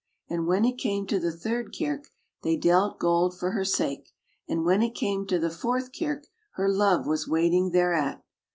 And when it came to the third kirk, They dealt gold for her sake; And when it came to the fourth kirk, Her love was waiting thereat.